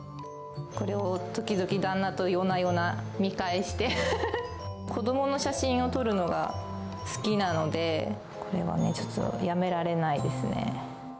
これを時々旦那と夜な夜な見て、子どもの写真を撮るのが好きなので、これはね、ちょっとやめられないですね。